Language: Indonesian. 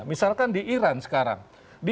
misalkan di iran sekarang